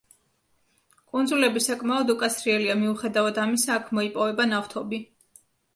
კუნძულები საკმაოდ უკაცრიელია, მიუხედავად ამისა აქ მოიპოვება ნავთობი.